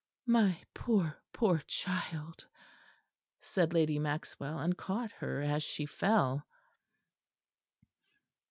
"My poor, poor child!" said Lady Maxwell; and caught her as she fell.